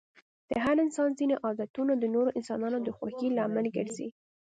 د هر انسان ځيني عادتونه د نورو انسانانو د خوښی لامل ګرځي.